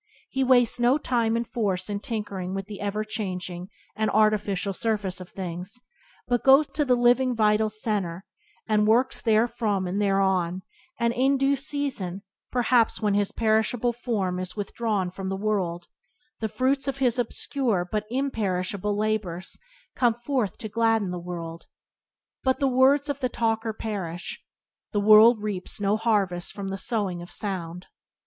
He wastes no time and force in tinkering with the ever changing and artificial surface of things, but goes to the living vital centre, and works therefrom and thereon; and in due season, perhaps when his perishable form is withdrawn Byways to Blessedness by James Allen 54 from the world, the fruits of his obscure but imperishable labours come forth to gladden the world. But the words of the talker perish. The world reaps no harvest from the sowing of sound.